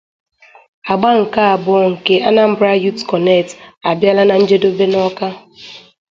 Agba Nke Abụọ Nke 'Anambra Youth Connect ' Abịala na Njedobe n'Awka